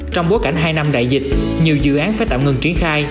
trong bối cảnh hai năm đại dịch nhiều dự án phải tạm ngừng triển khai